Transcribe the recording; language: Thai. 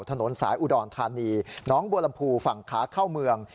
ถนนสายอุดรธานีน้องบัวลำพูฝั่งขาเข้าเมือง